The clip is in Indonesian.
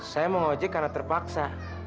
saya mau ojek karena terpaksa